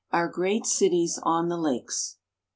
OUR GREAT CITIES ON THE LAKES.